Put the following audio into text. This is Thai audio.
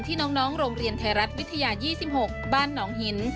น้องโรงเรียนไทยรัฐวิทยา๒๖บ้านหนองหิน